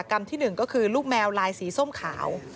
กรรมที่๑ก็คือลูกแมวลายสีส้มขาว